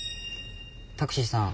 タクシーさん